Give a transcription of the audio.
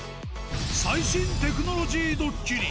最新テクノロジードッキリ。